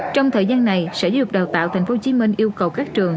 trong thời gian này sở giáo dục đào tạo tp hcm yêu cầu các trường